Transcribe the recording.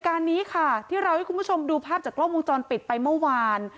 การนี้ค่ะที่เราให้คุณผู้ชมดูภาพจากกล้องวงจรปิดไปเมื่อวาน